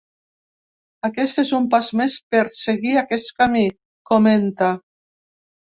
Aquest és un pas més per seguir aquest camí, comenta.